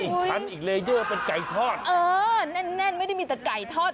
ฉันอีกเลเยอร์เป็นไก่ทอดเออแน่นแน่นไม่ได้มีแต่ไก่ทอด